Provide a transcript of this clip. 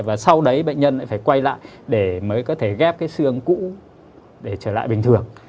và sau đấy bệnh nhân lại phải quay lại để mới có thể ghép cái xương cũ để trở lại bình thường